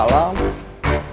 itu namanya resiko ekonomi tang